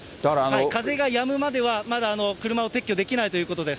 風がやむまでは、まだ車を撤去できないということです。